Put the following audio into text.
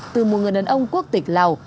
từ một người đàn ông quốc tịch lào